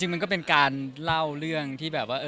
มันก็เป็นการเล่าเรื่องที่แบบว่า